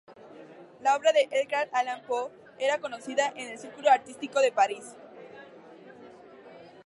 La obra de Edgar Allan Poe era conocida en el círculo artístico de París.